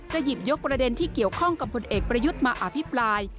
หยิบยกประเด็นที่เกี่ยวข้องกับผลเอกประยุทธ์มาอภิปราย